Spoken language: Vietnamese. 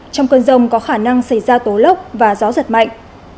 trong cơn rông có khả năng xảy ra tố lốc và gió giật mạnh